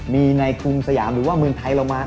มีในกรุงสยามหรือว่าเมืองไทยเรามา